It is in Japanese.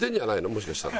もしかしたら。